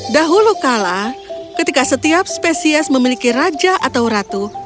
dahulu kala ketika setiap spesies memiliki raja atau ratu